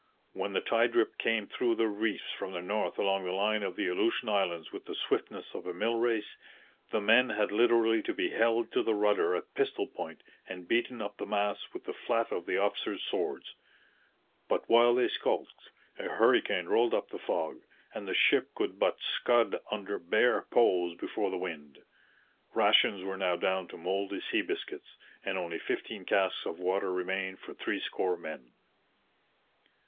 When the tide rip came through the reefs from the north along the line of the Aleutian Islands with the swiftness of a mill race, the men had literally to be held to the rudder at pistol point and beaten up the masts with the flat of the officers' swords. But while they skulked, a hurricane rolled up the fog; and the ship could but scud under bare poles before the wind. Rations were now down to mouldy sea biscuits, and only fifteen casks of water remained for three score men.